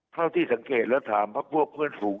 ข้าวที่สังเกตแล้วถามพวกก็เพื่อนสูง